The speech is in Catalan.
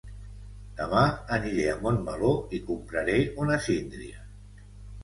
Demà aniré a Montmeló i compraré una síndria